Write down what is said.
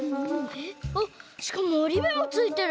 あっしかもおりめもついてる！